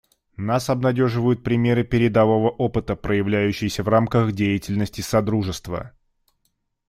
Нас обнадеживают примеры передового опыта, появляющиеся в рамках деятельности Содружества.